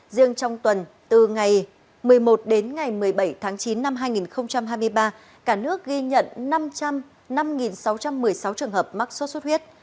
riêng trong tuần từ ngày một mươi một đến ngày một mươi bảy tháng chín năm hai nghìn hai mươi ba cả nước ghi nhận năm sáu trăm một mươi sáu trường hợp mắc sốt xuất huyết